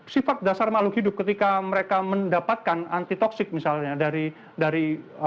sifat dasar makhluk hidup ketika mereka mendapatkan antitoksik misalnya dari